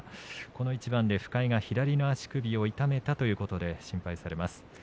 この一番で深井が左の足首を痛めたということで心配されます。